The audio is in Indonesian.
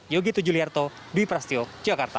yogi tujuliarto dwi prasetyo jakarta